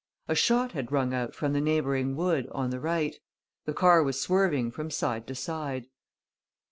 A shot had rung out from the neighbouring wood, on the right. The car was swerving from side to side.